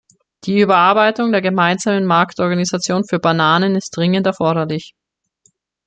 Die Überarbeitung der Gemeinsamen Marktorganisation für Bananen ist dringend erforderlich.